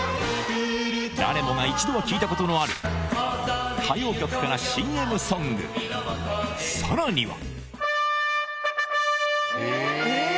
誰もが一度は聴いたことのある歌謡曲からＣＭソングさらには！